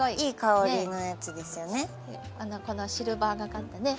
このシルバーがかったね